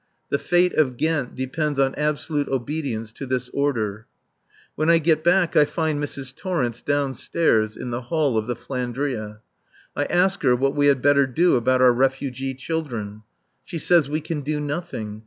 The fate of Ghent depends on absolute obedience to this order. When I get back I find Mrs. Torrence downstairs in the hall of the "Flandria." I ask her what we had better do about our refugee children. She says we can do nothing.